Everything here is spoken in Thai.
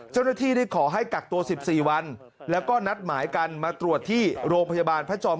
เจ้าหน้าที่ได้ขอให้กักตัว๑๔วันแล้วก็นัดหมายกันมาตรวจที่โรงพยาบาลพระจอม